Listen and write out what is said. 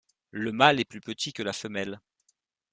Le mâle est plus petit que la femelle.